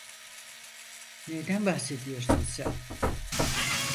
Neyden bahsediyorsun sen?